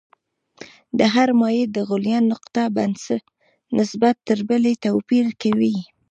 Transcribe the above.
د هرې مایع د غلیان نقطه نسبت تر بلې توپیر کوي.